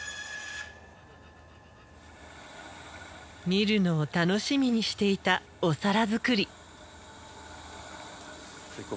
見るのを楽しみにしていたお皿作り。